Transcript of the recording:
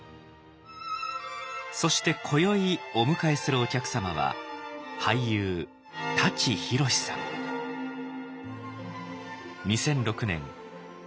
そして今宵お迎えするお客様は２００６年大河ドラマ